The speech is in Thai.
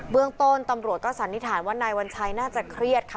เรื่องต้นตำรวจก็สันนิษฐานว่านายวัญชัยน่าจะเครียดค่ะ